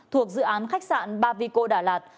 thuộc dự án khách sạn ba vico đà lạt